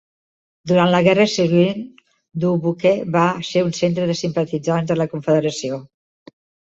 Durant la Guerra Civil, Dubuque va ser un centre de simpatitzants de la confederació.